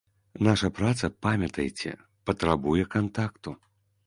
Наша праца, памятайце, патрабуе кантакту.